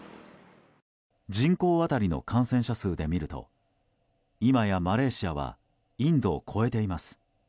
人口当たりの感染者数で見ると今やマレーシアはインドを超えています。